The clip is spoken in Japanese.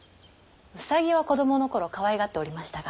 兎は子供の頃かわいがっておりましたが。